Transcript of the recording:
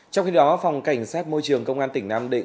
trong khi đó phòng cảnh sát môi trường công an tỉnh nam định